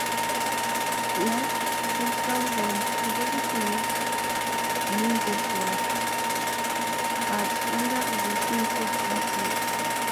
McChrystal warned: Resources will not win this war, but under-resourcing could lose it.